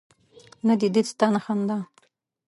نه دي دید سته نه خندا